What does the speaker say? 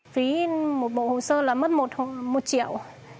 phí một bộ hồ sơ là mất một triệu